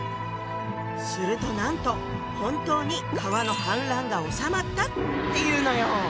するとなんと本当に川の氾濫がおさまったっていうのよ！